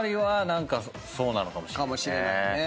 かもしれないね。